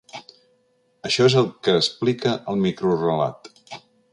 Això és el que explica el microrelat!